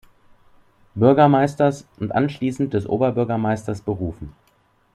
Bürgermeisters und anschließend des Oberbürgermeisters berufen.